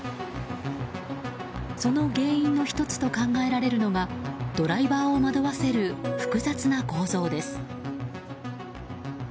その原因の１つと考えられるのがドライバーを惑わせる複雑な構造です。